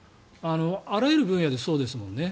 あらゆる分野でそうですよね。